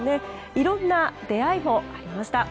いろんな出会いもありました。